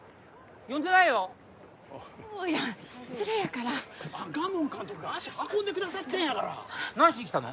呼んでないよお父やん失礼やからあの賀門監督が足運んでくださってんやから何しに来たの？